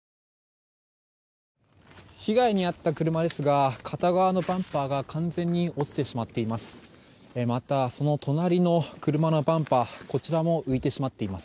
被害に遭った車ですが片側のバンパーが完全に落ちてしまっています。